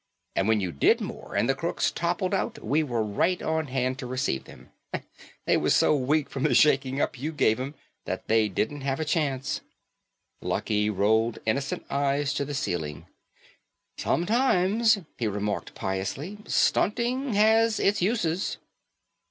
And when you did moor and the crooks toppled out we were right on hand to receive them. They were so weak from the shaking up you gave them that they didn't have a chance." Lucky rolled innocent eyes to the ceiling. "Sometimes," he remarked piously, "stunting has its uses."